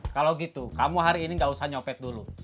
kalau gitu kamu hari ini nggak usah nyopet dulu